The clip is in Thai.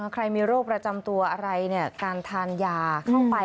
ใครมีโรคประจำตัวอะไรการทานยาเข้าไป